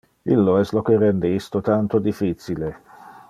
Illo es lo que rende isto tanto difficile.